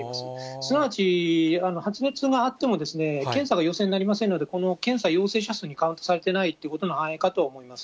すなわち、発熱があっても、検査が陽性になりませんので、この検査陽性者数にカウントされていないということの反映かと思います。